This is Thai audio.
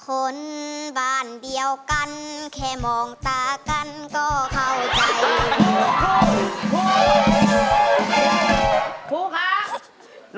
คนบ้านเดียวกันแค่มองตากันก็เข้าใจ